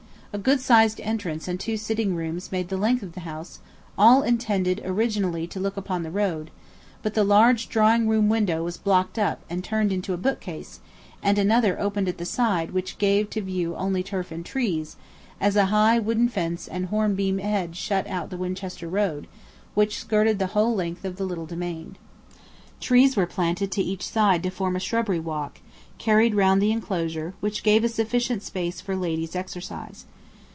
A good sized entrance and two sitting rooms made the length of the house, all intended originally to look upon the road, but the large drawing room window was blocked up and turned into a book case, and another opened at the side which gave to view only turf and trees, as a high wooden fence and hornbeam hedge shut out the Winchester road, which skirted the whole length of the little domain. Trees were planted each side to form a shrubbery walk, carried round the enclosure, which gave a sufficient space for ladies' exercise.